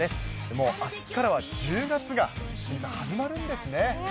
もうあすからは１０月が鷲見さん、始まるんですね。